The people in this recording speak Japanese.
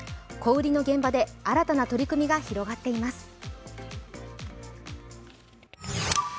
小売の現場で新たな取り組みが広がっています。